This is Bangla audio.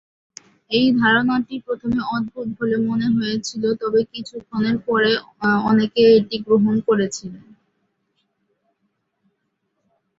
এই ধারণাটি প্রথমে অদ্ভুত বলে মনে হয়েছিল, তবে কিছুক্ষণের পরে অনেকে এটি গ্রহণ করেছিলেন।